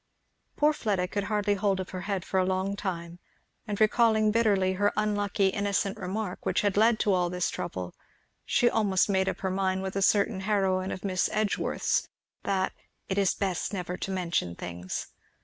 Poor Fleda could hardly hold up her head for a long time, and recalling bitterly her unlucky innocent remark which had led to all this trouble she almost made up her mind with a certain heroine of Miss Edgeworth's, that "it is best never to mention things."